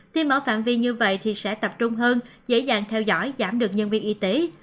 khi mở phạm vi như vậy thì sẽ tập trung hơn dễ dàng theo dõi giảm được nhân viên y tế